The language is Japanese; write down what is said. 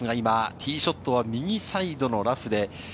ティーショットは右サイドのラフで。